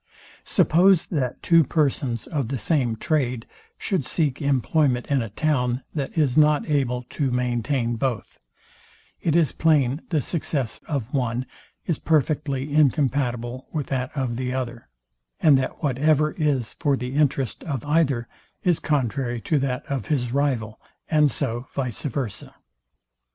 Suppose, that two persons of the same trade should seek employment in a town, that is not able to maintain both, it is plain the success of one is perfectly incompatible with that of the other, and that whatever is for the interest of either is contrary to that of his rival, and so vice versa.